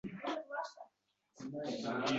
Kelib qolarmishsiz ertami-indin